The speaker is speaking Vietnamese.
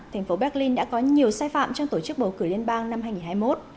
thành phố berlin đã có nhiều sai phạm trong tổ chức bầu cử liên bang năm hai nghìn hai mươi một